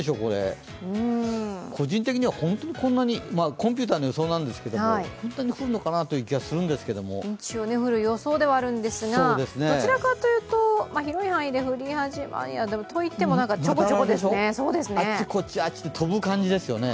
個人的には本当にこんなにコンピューターの予想なんですけど、本当に降るのかなという感じがするんですけど一応、降る予想ではあるんですがどちらかというと広い範囲でふりはじめといってもちょこちょこですね。